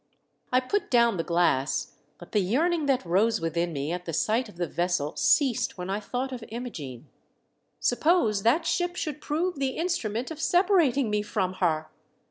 I put down the glass, but the yearning that rose within me at the sight of the vessel ceased when I thought of Imogene. Suppose that ship should prove the instrument of separating me from her!